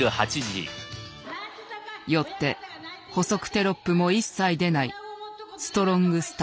よって補足テロップも一切出ないストロングスタイル。